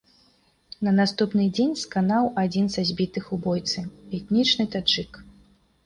На наступны дзень сканаў адзін са збітых у бойцы, этнічны таджык.